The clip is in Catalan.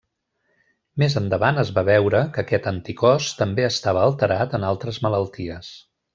Més endavant es va veure que aquest anticòs també estava alterat en altres malalties.